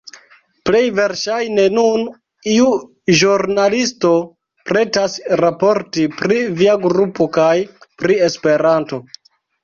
Plej verŝajne nun iu ĵurnalisto pretas raporti pri via grupo kaj pri Esperanto.